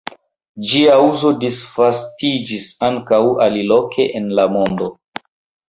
Ĝia uzo disvastiĝis ankaŭ aliloke en la mondo.